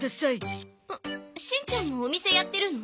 しんちゃんもお店やってるの？